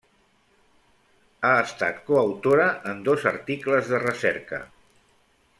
Ha estat coautora en dos articles de recerca.